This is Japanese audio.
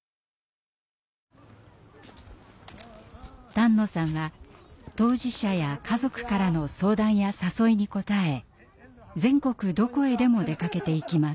丹野さんは当事者や家族からの相談や誘いにこたえ全国どこへでも出かけていきます。